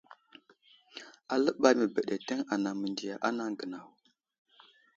Aləɓay məbeɗeteŋ anaŋ mendiya anaŋ gənaw.